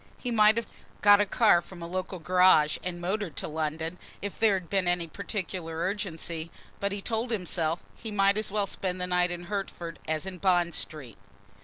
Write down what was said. He might have got a car from a local garage, and motored to London, if there had been any particular urgency, but, he told himself, he might as well spend the night in Hertford as in Bond Street.